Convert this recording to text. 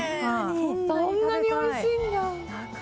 そんなにおいしいんだ。